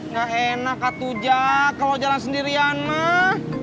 gak enak kak tujak kalau jalan sendirian mak